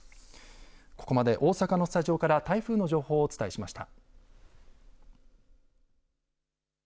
ここまで大阪のスタジオから台風の情報をお伝えしました。